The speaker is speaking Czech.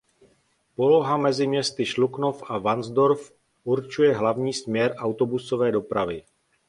Poloha mezi městy Šluknov a Varnsdorf určuje hlavní směr autobusové dopravy.